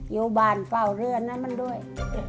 อยู่บ้านเฝ้าเรือนให้มันด้วย